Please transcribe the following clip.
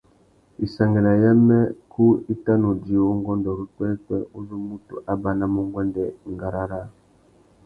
Wissangüena yamê, kú i tà nu djï ungôndô râ upwêpwê uzu mutu a banamú nguêndê ngárá râā.